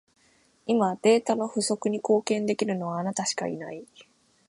今、データの不足に貢献できるのは、あなたしかいない。